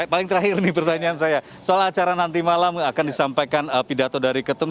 paling terakhir nih pertanyaan saya soal acara nanti malam akan disampaikan pidato dari ketum